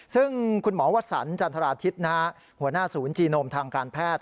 ซึ่งคุณหมอวสันจันทราทิศหัวหน้าศูนย์จีโนมทางการแพทย์